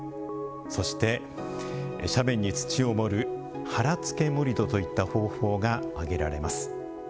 そして、斜面に土を盛る「腹付け盛土」といった方法が挙げられます。